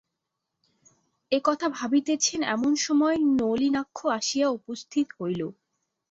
এ কথা ভাবিতেছেন, এমন-সময় নলিনাক্ষ আসিয়া উপস্থিত হইল।